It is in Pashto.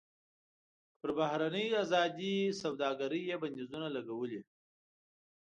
پر بهرنۍ ازادې سوداګرۍ یې بندیزونه لګولي.